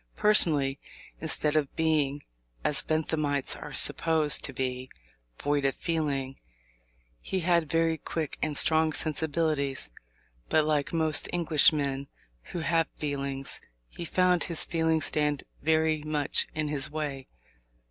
Personally, instead of being, as Benthamites are supposed to be, void of feeling, he had very quick and strong sensibilities. But, like most Englishmen who have feelings, he found his feelings stand very much in his way.